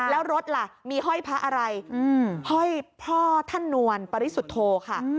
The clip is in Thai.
แล้วรถล่ะมีห้อยพระอะไรห้อยพ่อท่านนวลปริสุทธโธค่ะ